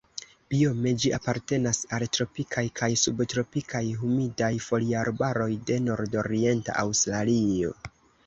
Biome ĝi apartenas al tropikaj kaj subtropikaj humidaj foliarbaroj de nordorienta Aŭstralio.